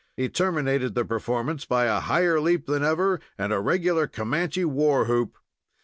He terminated the performance by a higher leap than ever, and a regular Comanche war whoop.